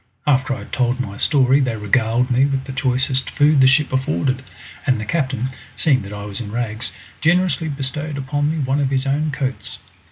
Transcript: After I had told my story they regaled me with the choicest food the ship afforded, and the captain, seeing that I was in rags, generously bestowed upon me one of his own coats.